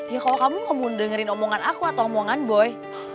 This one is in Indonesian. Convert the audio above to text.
ya kalau kamu ngomong dengerin omongan aku atau omongan boy